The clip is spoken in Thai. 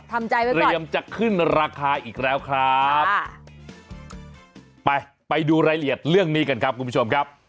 เตรียมจะขึ้นราคาอีกแล้วครับค่ะไปไปดูรายละเอียดเรื่องนี้กันครับคุณผู้ชมครับ